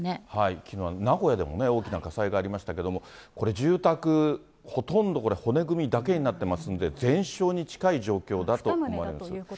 きのうは名古屋でもね、大きな火災がありましたけど、これ、住宅、ほとんどこれ、骨組みだけになってますんで、全焼に近い状況だと思われます。